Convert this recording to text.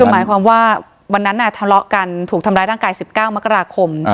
คือหมายความว่าวันนั้นทะเลาะกันถูกทำร้ายร่างกาย๑๙มกราคม